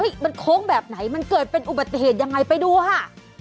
มันโค้งแบบไหนมันเกิดเป็นอุบัติเหตุยังไงไปดูค่ะ